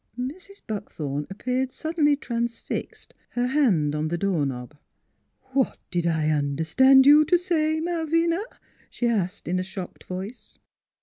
Mrs. Buckthorn appeared suddenly transfixed, her hand on the door knob. " What did I under stand you t' say, Mal vina? " she asked in a shocked voice.